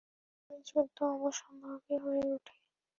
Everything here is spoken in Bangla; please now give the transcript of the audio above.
ফলে যুদ্ধ অবশ্যম্ভাবী হয়ে উঠে।